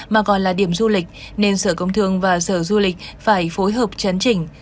mà còn là điểm du lịch nên sở công thương và sở du lịch phải phối hợp chấn chỉnh